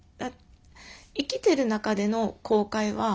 生きてる中での後悔は何だろう